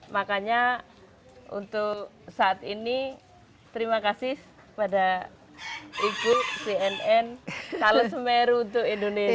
makanya untuk saat ini terima kasih pada ibu cnn kalau semeru untuk indonesia